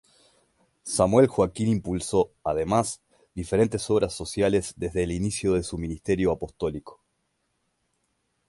Samuel Joaquín impulsó, además, diferentes obras sociales desde el inicio de su ministerio apostólico.